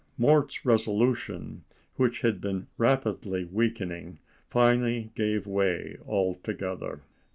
Mort's resolution, which had been rapidly weakening, finally gave way altogether.